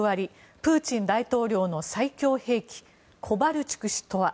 プーチン大統領の最強兵器コバルチュク氏とは？